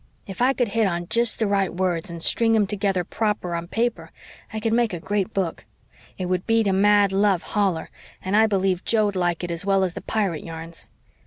If I could hit on jest the right words and string 'em together proper on paper I could make a great book. It would beat A Mad Love holler, and I believe Joe'd like it as well as the pirate yarns.